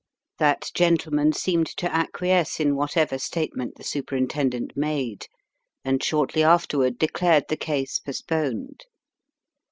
That gentleman seemed to acquiesce in whatever statement the Superintendent made, and shortly afterward declared the case postponed.